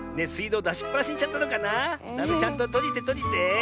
ダメちゃんととじてとじて。